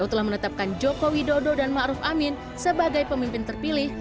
kpo telah menetapkan jokowi dodo dan maka haji ma'ruf amin sebagai pemerintah